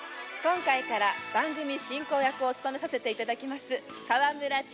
「今回から番組進行役を務めさせていただきます川村千秋です」